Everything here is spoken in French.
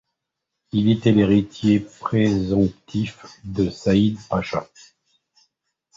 Il était l'héritier présomptif de Sa'id Pacha.